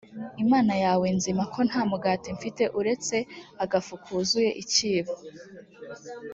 imana yawe nzima ko nta mugati mfite uretse agafu kuzuye ikibo